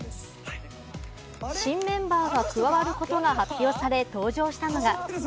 新メンバーが加わることが発表され、登場したのが。